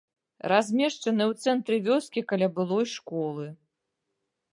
Размешчаны ў цэнтры вёскі каля былой школы.